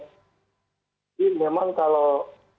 ini memang kalau